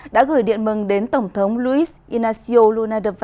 đã gửi điện mừng đến tổng thống luís inácio luna de silva